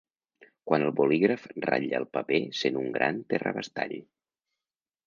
Quan el bolígraf ratlla el paper sent un gran terrabastall.